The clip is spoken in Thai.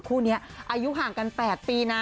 คู่นี้อายุห่างกัน๘ปีนะ